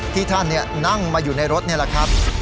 ที่ท่านนั่งมาอยู่ในรถนี่แหละครับ